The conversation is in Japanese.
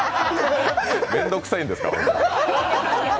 面倒くさいんですか。